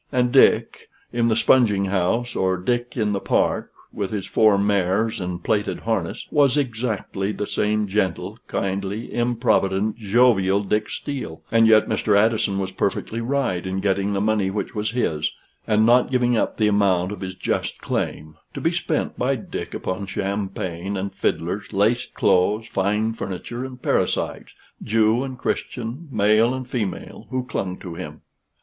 And yet Dick in the sponging house, or Dick in the Park, with his four mares and plated harness, was exactly the same gentle, kindly, improvident, jovial Dick Steele: and yet Mr. Addison was perfectly right in getting the money which was his, and not giving up the amount of his just claim, to be spent by Dick upon champagne and fiddlers, laced clothes, fine furniture, and parasites, Jew and Christian, male and female, who clung to him.